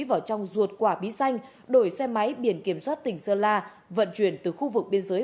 vào trong ruột quả bí xanh đổi xe máy biển kiểm soát tỉnh sơn la vận chuyển từ khu vực biên giới